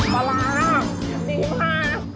ปลาร้าดีมาก